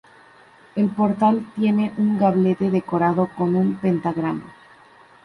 El portal tiene un gablete decorado con un pentagrama.